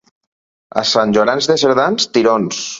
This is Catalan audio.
A Sant Llorenç de Cerdans, tirons.